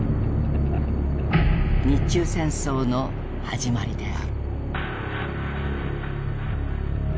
日中戦争の始まりである。